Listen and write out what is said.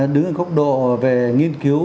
đứng ở góc độ về nghiên cứu